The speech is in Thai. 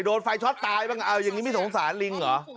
โดนไฟช็อตตายยังงี้ไม่สงสารลิงหรอ